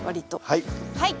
はい。